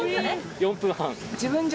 ４分半？